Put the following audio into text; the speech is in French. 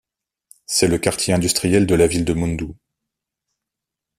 C'est le quartier industriel de la ville de Moundou.